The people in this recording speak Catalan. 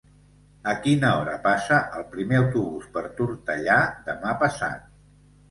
A quina hora passa el primer autobús per Tortellà demà passat?